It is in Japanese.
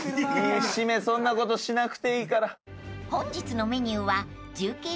シメそんなことしなくていいから。